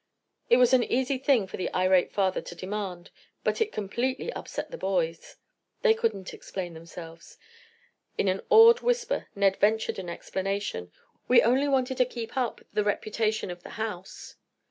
It was an easy thing for the irate father to demand, but it completely upset the boys. They couldn't explain themselves. In an awed whisper, Ned ventured an explanation: "We only wanted to keep up the reputation of the house."